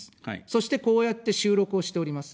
そして、こうやって収録をしております。